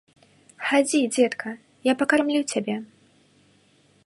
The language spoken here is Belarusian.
Хадзі, дзетка, я пакармлю цябе.